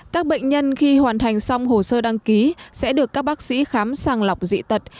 các bệnh nhân khi hoàn thành xong hồ sơ đăng ký sẽ được các bác sĩ khám sàng lọc dị tật